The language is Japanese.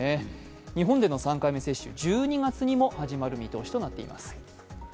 日本での３回目接種、１２月にも始まる見通しとなっています。